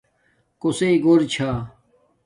کوسݵ گھور چھا